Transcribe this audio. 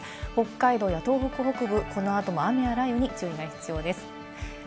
北海道や東北北部、この後も雨や雷雨に注意が必要です。